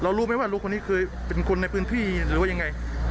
รู้ไหมว่าลูกคนนี้เคยเป็นคนในพื้นที่หรือว่ายังไง